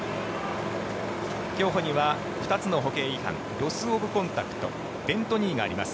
競歩には２つの歩型違反ロス・オブ・コンタクトベント・ニーがあります。